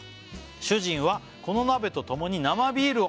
「主人はこの鍋とともに生ビールを」